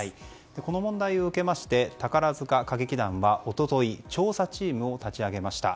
この問題を受けまして宝塚歌劇団は一昨日、調査チームを立ち上げました。